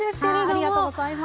ありがとうございます。